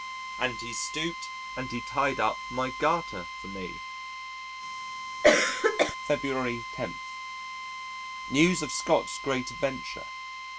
And he stooped and he tied up my garter for me." February 10. News of Scott's great adventure!